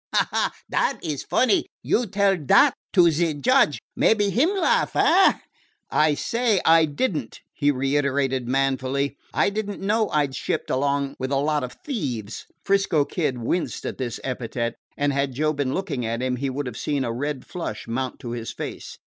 "Ha, ha! Dat is funny. You tell dat to ze judge; mebbe him laugh, eh?" "I say I did n't," he reiterated manfully. "I did n't know I 'd shipped along with a lot of thieves." 'Frisco Kid winced at this epithet, and had Joe been looking at him he would have seen a red flush mount to his face.